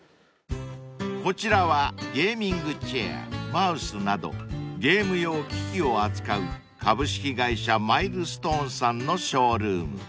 ［こちらはゲーミングチェアマウスなどゲーム用機器を扱う株式会社マイルストーンさんのショールーム］